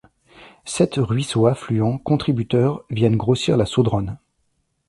Sept ruisseaux affluents contributeurs viennent grossir la Saudronne.